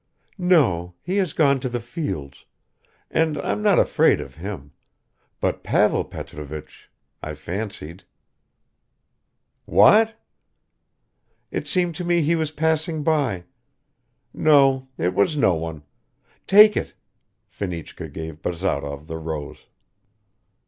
"No he has gone to the fields ... and I'm not afraid of him ... but Pavel Petrovich ... I fancied .". "What?" "It seemed to me he was passing by. No ... it was no one. Take it." Fenichka gave Bazarov the rose.